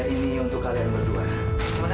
ini untuk kalian berdua